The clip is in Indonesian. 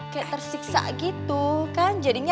kayak tersiksa gitu kan